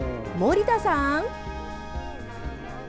森田さーん？